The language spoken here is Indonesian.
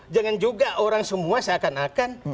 jangan juga orang semua seakan akan